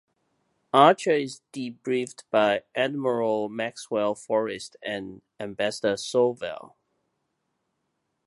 Archer is debriefed by Admiral Maxwell Forrest and Ambassador Soval.